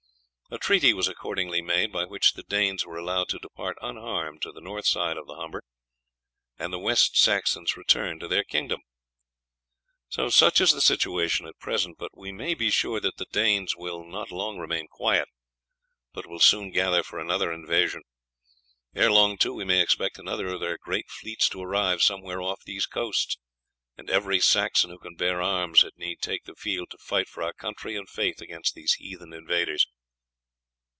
A treaty was accordingly made by which the Danes were allowed to depart unharmed to the north side of the Humber, and the West Saxons returned to their kingdom. "Such is the situation at present, but we may be sure that the Danes will not long remain quiet, but will soon gather for another invasion; ere long, too, we may expect another of their great fleets to arrive somewhere off these coasts, and every Saxon who can bear arms had need take the field to fight for our country and faith against these heathen invaders.